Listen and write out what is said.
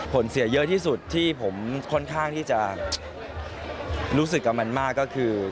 ผลเสียเยอะที่สุดที่ผมค่อนข้างที่จะรู้สึกกับมันมากก็คือ